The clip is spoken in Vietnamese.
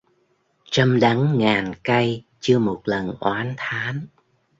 Trăm đắng ngàn cay chưa một lần oán thán